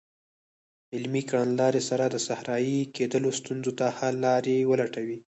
عملي کړنلارو سره د صحرایې کیدلو ستونزو ته حل لارې ولټوي.